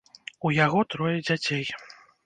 У яго трое дзяцей.